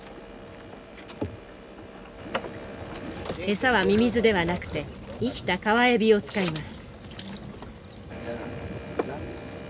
餌はミミズではなくて生きた川エビを使います。